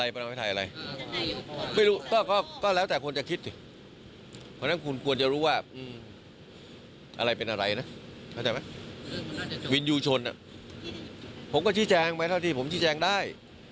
เพราะฉะนั้นคุณควรจะรู้ว่าอะไรเป็นอะไรนะวินยูชนผมก็ชี้แจงไปเท่าที่ผมชี้แจงได้